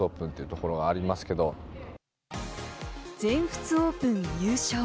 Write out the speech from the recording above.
全仏オープン優勝。